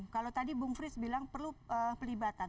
kalau tadi bung fris bilang perlu pelibatan